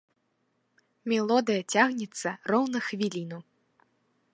Мелодыя цягнецца роўна хвіліну.